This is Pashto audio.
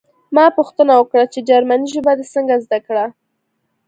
ما پوښتنه وکړه چې جرمني ژبه دې څنګه زده کړه